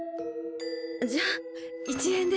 じゃあ１円です。